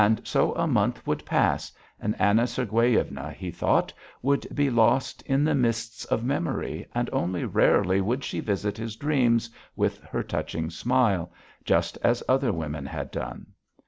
So a month would pass, and Anna Sergueyevna, he thought, would be lost in the mists of memory and only rarely would she visit his dreams with her touching smile, just as other women had done.